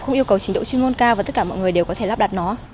không yêu cầu trình độ chuyên môn cao và tất cả mọi người đều có thể lắp đặt nó